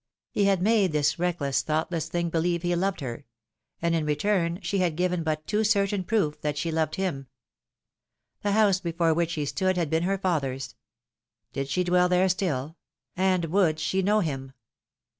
He had made this reckless, thoughtless thing beheve he loved her ; and in return, she had given but too certain proof that she loved him. The house before which he stood had been her father's. Did she dwell there still? And would she know him?